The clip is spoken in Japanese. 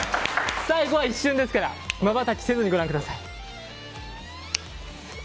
最後は一瞬ですからまばたきせずにご覧ください。